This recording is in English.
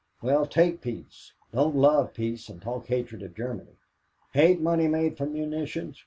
Well, take peace don't love peace and talk hatred of Germany. 'Hate money made from munitions?'